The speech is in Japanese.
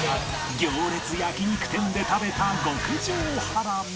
行列焼肉店で食べた極上ハラミ